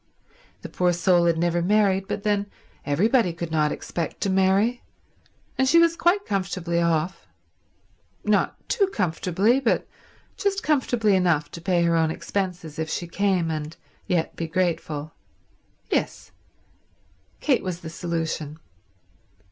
The poor soul had never married, but then everybody could not expect to marry, and she was quite comfortably off—not too comfortably, but just comfortably enough to pay her own expenses if she came and yet be grateful. Yes; Kate was the solution.